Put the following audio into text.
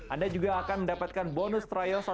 anda juga akan mendapatkan bonus trials